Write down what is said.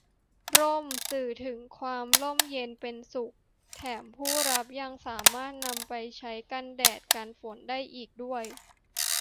ร่ม สื่อถึงความร่มเย็นเป็นสุข แถมผู้รับยังสามารถนำไปใช้กันแดด กันฝนได้อีกด้วย